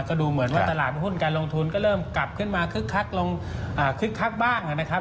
ก็ดูเหมือนว่าตลาดหุ้นการลงทุนก็เริ่มกลับขึ้นมาคึกคักลงคึกคักบ้างนะครับ